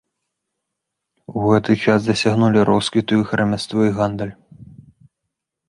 У гэты час дасягнулі росквіту іх рамяство і гандаль.